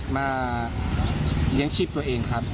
มาเลี้ยงชีพตัวเองครับ